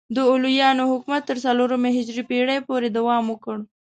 د علویانو حکومت تر څلورمې هجري پیړۍ دوام وکړ.